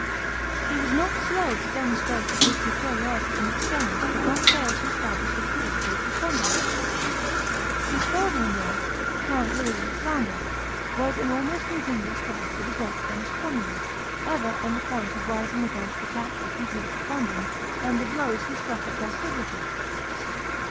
He was not slow to demonstrate that his superiority in externals could not fail to establish his political preponderance. His father in law, Count Louis of Flanders, was in almost continual strife with the great Flemish communes, ever on the point of rising against the taxes he heaped upon them and the blows he struck at their privileges.